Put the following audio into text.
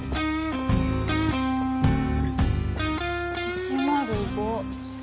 １０５。